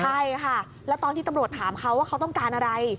ใช่ค่ะแล้วตอนที่ตำรวจถามเขาว่าเขาต้องการอะไร